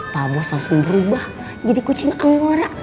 papa bos langsung berubah jadi kucing amlora